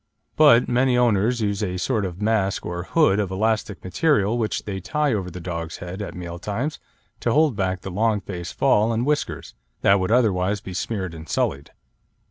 But many owners use a sort of mask or hood of elastic material which they tie over the dog's head at meal times to hold back the long face fall and whiskers, that would otherwise be smeared and sullied.